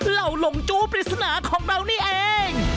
เหล่าหลงจู้ปริศนาของเรานี่เอง